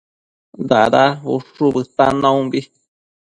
Dada ushu bëtan naumbi